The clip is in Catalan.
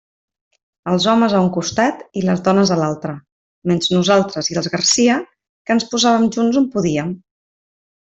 Els homes a un costat i les dones a l'altre, menys nosaltres i els Garcia, que ens posàvem junts on podíem.